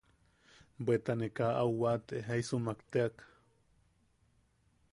Bweta ne kaa au waate jaisa jumak teak.